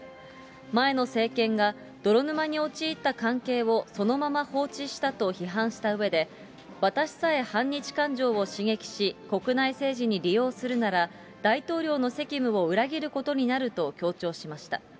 前の政権が泥沼に陥った関係をそのまま放置したと批判したうえで、私さえ反日感情を刺激し、国内政治に利用するなら、大統領の責務を裏切ることになると強調しました。